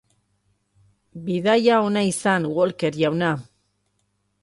Bidaia ona izan, Walker jauna.